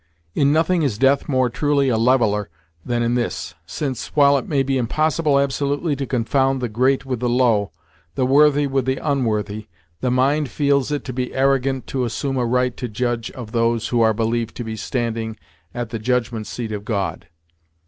In nothing is death more truly a leveller than in this, since, while it may be impossible absolutely to confound the great with the low, the worthy with the unworthy, the mind feels it to be arrogant to assume a right to judge of those who are believed to be standing at the judgment seat of God.